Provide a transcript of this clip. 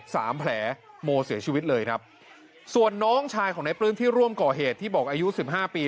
สามแผลโมเสียชีวิตเลยครับส่วนน้องชายของนายปลื้มที่ร่วมก่อเหตุที่บอกอายุสิบห้าปี